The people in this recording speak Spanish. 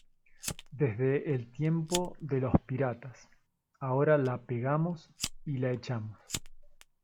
desde el tiempo de los piratas. ahora la pegamos y la echamos